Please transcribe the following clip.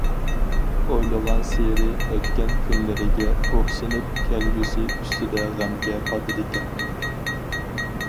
ئويلىغانسېرى، ئۆتكەن كۈنلىرىگە ئۇھسىنىپ، كەلگۈسى ئۈستىدە غەمگە پاتىدىكەن.